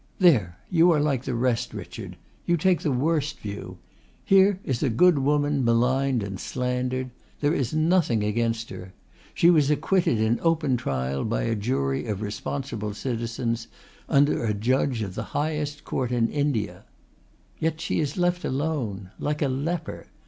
"There! You are like the rest, Richard. You take the worst view. Here is a good woman maligned and slandered. There is nothing against her. She was acquitted in open trial by a jury of responsible citizens under a judge of the Highest Court in India. Yet she is left alone like a leper.